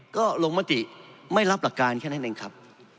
ก็โรงพยาบาลนี้ไม่รับหลักการแค่นั้นครับ